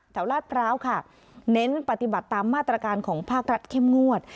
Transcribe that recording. ลาดพร้าวค่ะเน้นปฏิบัติตามมาตรการของภาครัฐเข้มงวด